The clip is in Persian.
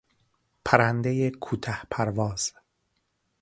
پرندهی کوته پرواز